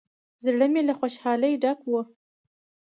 زړه مې له خوشالۍ ډک و.